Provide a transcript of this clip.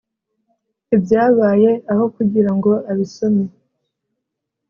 ibyabaye aho kugira ngo abisome